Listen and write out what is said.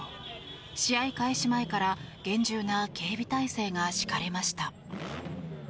試合開始前から厳重な警備態勢が敷かれました。